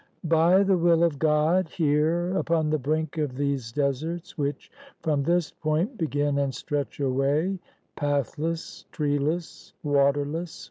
] By the Will of God Here, upon the Brink of these Deserts, Which from this point begin and stretch away, Pathless, treeless, waterless.